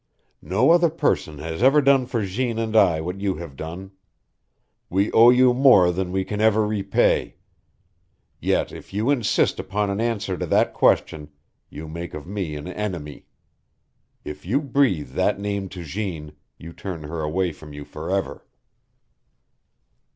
"No other person has ever done for Jeanne and I what you have done. We owe you more than we can ever repay. Yet if you insist upon an answer to that question you make of me an enemy; if you breathe that name to Jeanne, you turn her away from you forever."